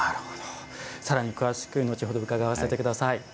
さらに詳しく後ほど伺わせてください。